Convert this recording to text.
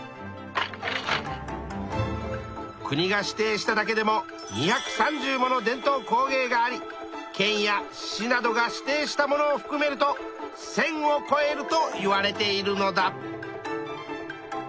国が指定しただけでも２３０もの伝統工芸があり県や市などが指定したものをふくめると１，０００をこえるといわれているのだ。